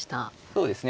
そうですね。